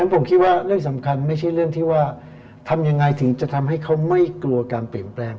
ผมคิดว่าเรื่องสำคัญไม่ใช่เรื่องที่ว่าทำยังไงถึงจะทำให้เขาไม่กลัวการเปลี่ยนแปลง